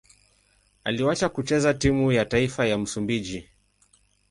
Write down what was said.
Aliwahi kucheza timu ya taifa ya Msumbiji.